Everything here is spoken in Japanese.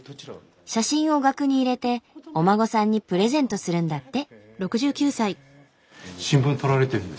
写真を額に入れてお孫さんにプレゼントするんだって。